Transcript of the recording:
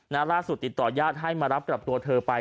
นาราชสุติต่อยาธิ์ให้มารับกลับตัวเธอไป